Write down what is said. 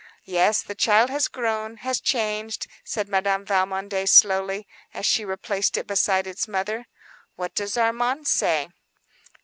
"Yes, the child has grown, has changed," said Madame Valmondé, slowly, as she replaced it beside its mother. "What does Armand say?"